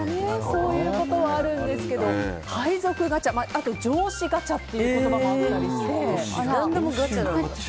そういうことはあるんですけどあとは上司ガチャっていう言葉もあったりして。